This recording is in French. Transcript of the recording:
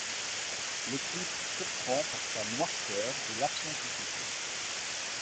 Le clip surprend par sa noirceur et l'absence du chanteur.